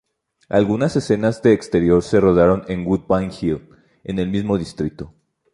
Algunas escenas de exterior se rodaron en Woodbine Hill, en el mismo distrito.